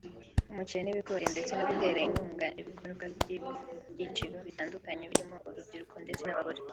umuceri n’ibigori ndetse no gutera inkunga ibikorwa by’ibyiciro bitandukanye birimo urubyiruko ndetse n’abagore